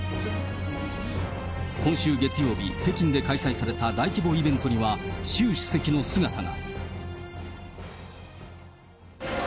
今週月曜日、北京で開催された大規模イベントには、習主席の姿が。